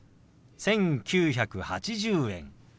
「１９８０円」。